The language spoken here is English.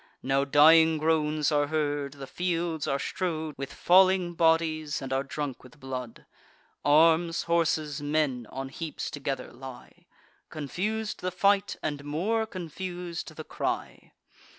Now dying groans are heard; the fields are strow'd With falling bodies, and are drunk with blood. Arms, horses, men, on heaps together lie: Confus'd the fight, and more confus'd the cry.